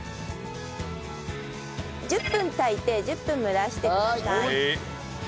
１０分炊いて１０分蒸らしてください。